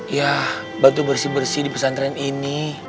ya bantu bersih bersih di pesantren ini